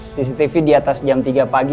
cctv di atas jam tiga pagi